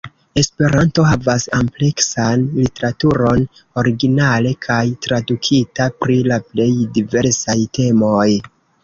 Esperanto havas ampleksan literaturon, originale kaj tradukita, pri la plej diversaj temoj.